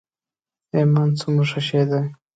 ایمان څومره ښه شی دی.